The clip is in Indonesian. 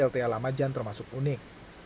plta lamajan termasuk unik